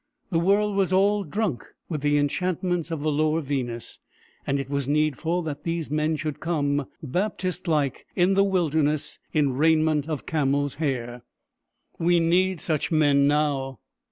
The world was all drunk with the enchantments of the lower Venus, and it was needful that these men should come, Baptist like in the wilderness, in raiment of camel's hair. We need such men now.